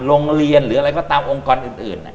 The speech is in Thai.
โรงเรียนหรืออะไรก็ตามองค์กรอื่น